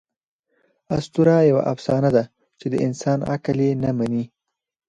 آسطوره یوه افسانه ده، چي د انسان عقل ئې نه مني.